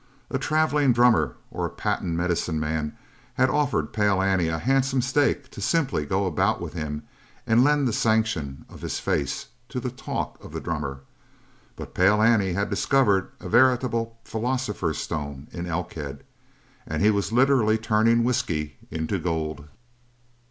A travelling drummer or a patent medicine man had offered Pale Annie a handsome stake to simply go about with him and lend the sanction of his face to the talk of the drummer, but Pale Annie had discovered a veritable philosopher's stone in Elkhead and he was literally turning whiskey into gold.